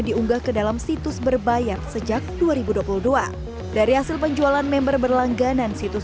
diunggah ke dalam situs berbayar sejak dua ribu dua puluh dua dari hasil penjualan member berlangganan situs